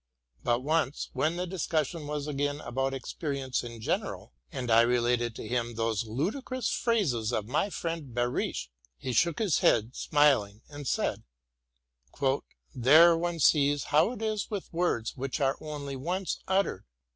But once, when the discussion was again about experience in general, and I related to him those ludicrous phrases of my friend Behrisch, he shook his head, smiling, and said, *' There, one sees how it is with words which are only once uttered!